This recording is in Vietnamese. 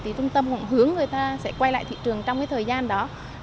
trung tâm cũng hướng người ta sẽ quay lại thị trường trong thời gian đó